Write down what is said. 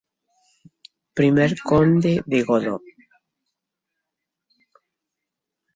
Primer Conde de Godó.